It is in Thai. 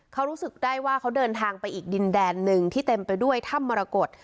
เขารู้สึกได้ว่าเขาเดินทางไปอีกดินแดนหนึ่งที่เต็มไปด้วยถ้ำมรกฏ